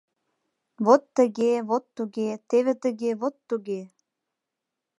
- Вот тыге, вот туге, теве тыге, вот туге!